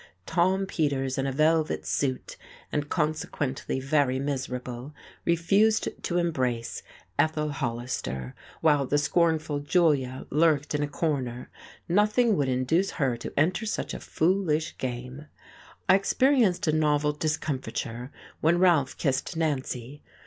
Tom Peters, in a velvet suit and consequently very miserable, refused to embrace Ethel Hollister; while the scornful Julia lurked in a corner: nothing would induce her to enter such a foolish game. I experienced a novel discomfiture when Ralph kissed Nancy....